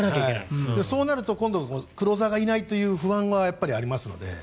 そうすると今度クローザーがいないという不安はありますので。